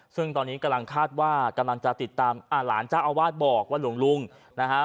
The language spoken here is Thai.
ซึ่งตอนนี้กำลังคาดว่ากำลังจะติดตามอ่าหลานเจ้าอาวาสบอกว่าหลวงลุงนะฮะ